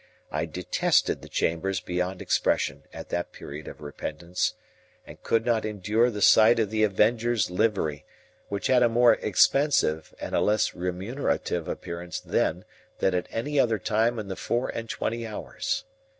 I detested the chambers beyond expression at that period of repentance, and could not endure the sight of the Avenger's livery; which had a more expensive and a less remunerative appearance then than at any other time in the four and twenty hours.